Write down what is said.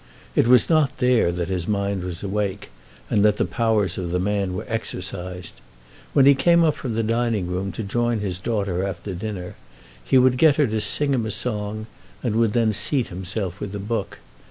It was not there that his mind was awake, and that the powers of the man were exercised. When he came up from the dining room to join his daughter after dinner he would get her to sing him a song, and would then seat himself with a book.